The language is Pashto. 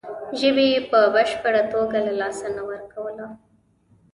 ژبه یې په بشپړه توګه له لاسه نه ورکوله.